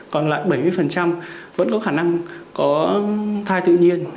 còn lại bảy mươi vẫn có khả năng có thai tự nhiên